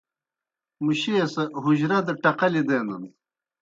مُشیئے سہ حُجرہ دہ ٹقلیْ دینَن۔